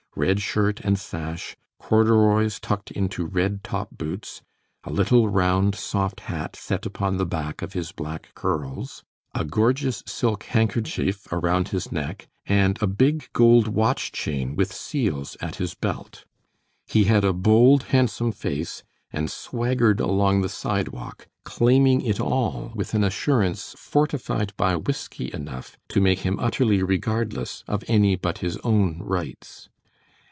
red shirt and sash, corduroys tucked into red top boots, a little round soft hat set upon the back of his black curls, a gorgeous silk handkerchief around his neck, and a big gold watch chain with seals at his belt. He had a bold, handsome face, and swaggered along the sidewalk, claiming it all with an assurance fortified by whisky enough to make him utterly regardless of any but his own rights.